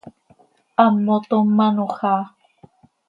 Hammotómanoj áa.